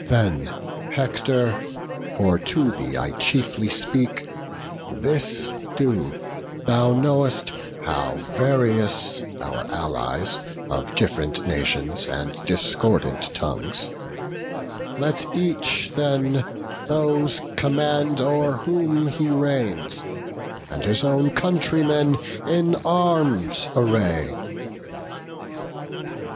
Then, Hector, for to thee I chiefly speak, This do; thou know'st how various our allies, Of diff'rent nations and discordant tongues: Let each then those command o'er whom he reigns, And his own countrymen in arms array."